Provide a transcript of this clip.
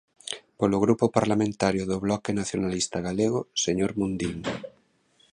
Polo Grupo Parlamentario do Bloque Nacionalista Galego, señor Mundín.